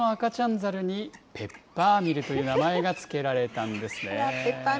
ザルにペッパーミルという名前が付けられたんですね。